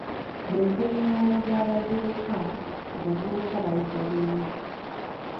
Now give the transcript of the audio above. Mu nkungaana z'abavubuka, abavubuka bayiga bingi.